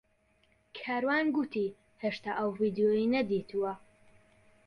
کاروان گوتی هێشتا ئەو ڤیدیۆیەی نەدیتووە.